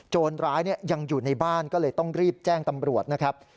ร้ายยังอยู่ในบ้านก็เลยต้องรีบแจ้งตำรวจนะครับ